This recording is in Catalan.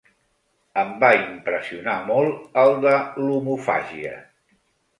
Em va impressionar molt el de l'omofàgia.